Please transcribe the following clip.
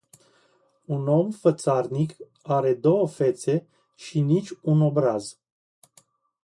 Un om fățarnic are două fețe și nici un obraz.